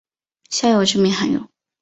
孝友之名罕有。